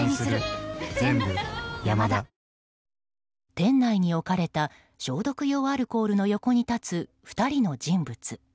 店内に置かれた消毒用アルコールの横に立つ２人の人物。